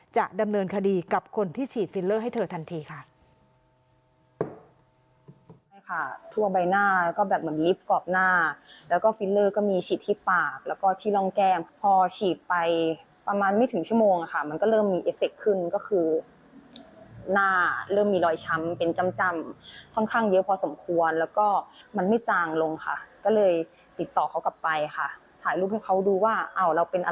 จะดำเนินคดีกับคนที่ฉีดฟิลเลอร์ให้เธอทันทีค่ะ